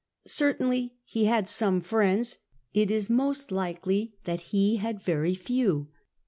Certainly he had some friends — it is most likely that he had very few.